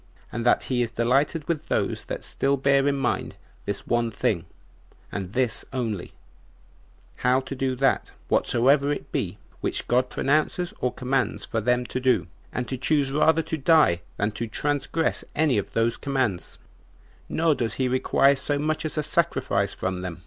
And that he is delighted with those that still bear in mind this one thing, and this only, how to do that, whatsoever it be, which God pronounces or commands for them to do, and to choose rather to die than to transgress any of those commands; nor does he require so much as a sacrifice from them.